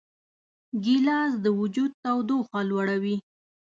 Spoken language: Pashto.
ګیلاس د وجود تودوخه لوړوي.